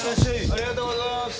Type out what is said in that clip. ありがとうございます。